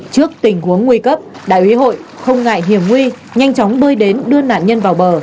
đại úy hội không ngại hiểm nguy nhanh chóng bơi đến đưa nạn nhân vào bờ